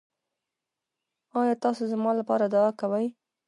ایا تاسو زما لپاره دعا کوئ؟